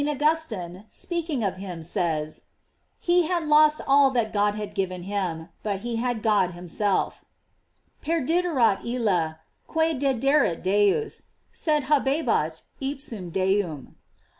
Augustine, speaking of him, says: He had lost all that God had given him, but he had God himself: "Perdiderat ilia quse dederat Deus, sed habebat ipsum Deum."